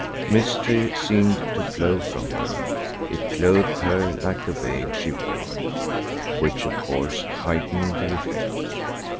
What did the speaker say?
Mystery seemed to flow from her; it clothed her like the veil she wore, which of course heightened the effect.